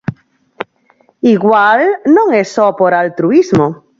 Igual non é só por altruísmo.